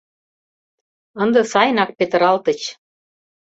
— Ынде сайынак петыралтыч.